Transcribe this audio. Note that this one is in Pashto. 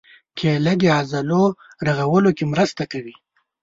کېله د عضلو رغولو کې مرسته کوي.